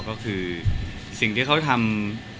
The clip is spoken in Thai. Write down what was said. ก็คือสิ่งที่เขาทำ